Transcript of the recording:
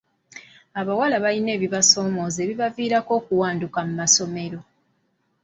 Abawala balina ebibasoomooza ebibaviirako okuwanduka mu masomero.